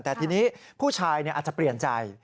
แต่ทีนี้ผู้ชายอาจจะเปลี่ยนใจ